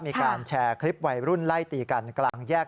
มีการแชร์คลิปวัยรุ่นไล่ตีกันกลางแยก